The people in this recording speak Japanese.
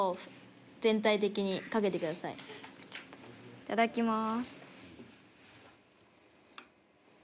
いただきます。